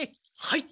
はい。